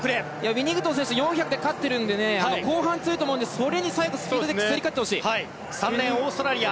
ウィニングトン選手は４００ｍで勝っているので後半、強いと思うのでそれに最後スピードで勝ってほしい。